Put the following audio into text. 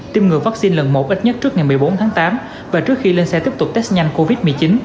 tiêm ngừa vaccine lần một ít nhất trước ngày một mươi bốn tháng tám và trước khi lên xe tiếp tục test nhanh covid một mươi chín